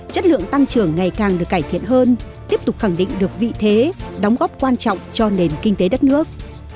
chất lượng tăng trưởng ngày càng được cải thiện hơn tiếp tục khẳng định được vị thế đóng góp quan trọng cho nền kinh tế đất nước